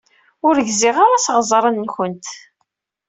Ur gziɣ ara asseɣẓen-nwent.